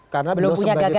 karena belum punya gagasan ya